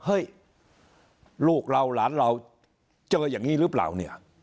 เฮ้ยลูกเราหลานเราเจออย่างนี้หรือเปล่าเนี่ย